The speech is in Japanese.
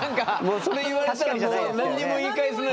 それ言われたらもう何にも言い返せない。